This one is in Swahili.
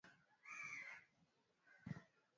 a hivyo mashuhuda hao wamesema mgogoro huo